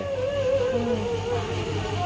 ไปอ้ะ